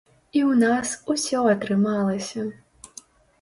І ў нас усё атрымалася!